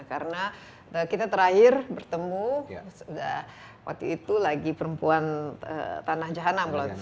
karena kita terakhir bertemu waktu itu lagi perempuan tanah jahan amblot